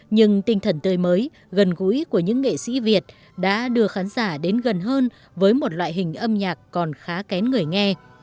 nhưng tinh thần tươi mới gần gũi của những nghệ sĩ việt đã đưa khán giả đến gần hơn với một loại hình âm nhạc còn khá kén người nghe